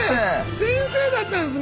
先生だったんですね